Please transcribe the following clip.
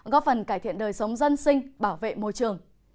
góp phần cải thiện đời sống dân sinh bảo vệ môi trường